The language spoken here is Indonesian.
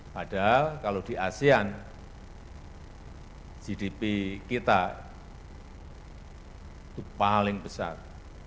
padahal kalau di asean gdp kita itu paling besar